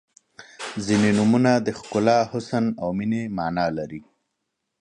• ځینې نومونه د ښکلا، حسن او مینې معنا لري.